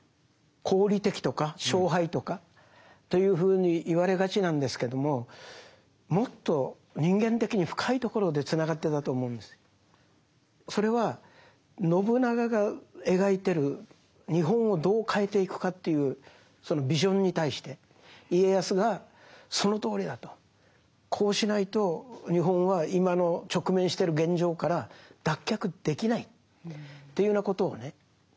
功利的とか勝敗とかというふうに言われがちなんですけどももっとそれは信長が描いてる日本をどう変えていくかというそのビジョンに対して家康がそのとおりだとこうしないと日本は今の直面してる現状から脱却できないというようなことをね